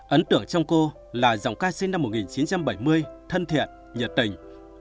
ấn tượng trong cô là giọng ca sĩ năm một nghìn chín trăm bảy mươi thân thiện nhiệt tình